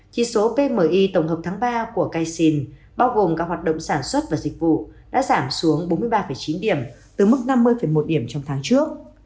chỉ số pmi tổng hợp tháng ba của casin bao gồm các hoạt động sản xuất và dịch vụ đã giảm xuống bốn mươi ba chín điểm từ mức năm mươi một điểm trong tháng trước